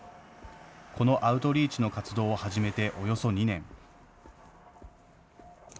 このアウトリーチの活動を始めておよそ２年。